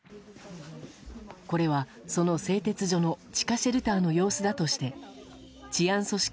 これは、その製鉄所の地下シェルターの様子だとして治安組織